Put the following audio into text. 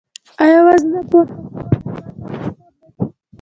آیا وزنه پورته کول هم هلته مشهور نه دي؟